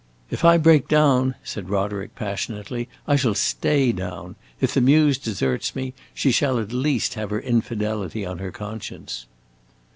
"If I break down," said Roderick, passionately, "I shall stay down. If the Muse deserts me, she shall at least have her infidelity on her conscience."